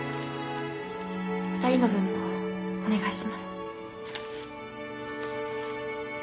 ２人の分もお願いします。